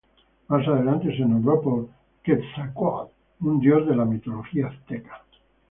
Más adelante se nombró por Quetzalcóatl, un dios de la mitología azteca.